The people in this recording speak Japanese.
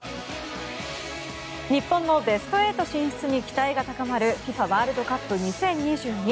日本のベスト８進出に期待が高まるＦＩＦＡワールドカップ２０２２。